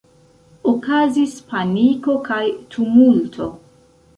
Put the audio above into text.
Okazis paniko kaj tumulto.